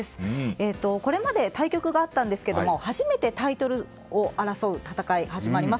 これまで対局があったんですが初めてタイトルを争う戦いが始まります。